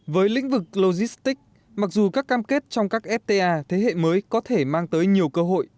với lĩnh vực logistics mặc dù các cam kết trong các fta thế hệ mới có thể mang tới nhiều cơ hội